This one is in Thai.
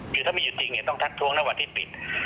คือถ้ามีอยู่จริงเนี่ยต้องทักทวงระหว่างที่ปิด